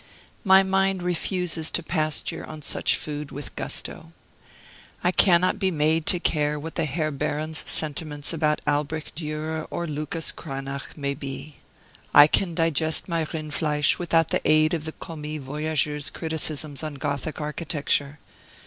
My mind refuses to pasture on such food with gusto. I cannot be made to care what the Herr Baron's sentiments about Albert Durer or Lucas Cranach may be. I can digest my rindfleisch without the aid of the commis voyageur's criticisms on Gothic architecture.